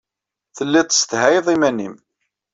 Tellid tessedhayed iman-nnem.